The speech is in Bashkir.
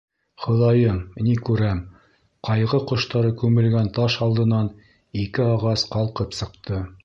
Хоҙайым, ни күрәм: ҡайғы ҡоштары күмелгән таш алдынан ике ағас ҡалҡып сыҡты.